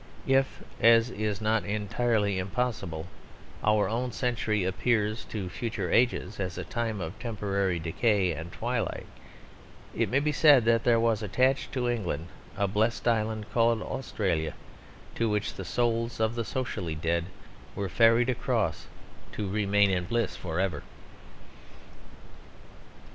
If (as is not entirely impossible) our own century appears to future ages as a time of temporary decay and twilight, it may be said that there was attached to England a blessed island called Australia to which the souls of the socially dead were ferried across to remain in bliss for ever.